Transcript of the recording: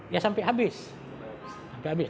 ya sampai habis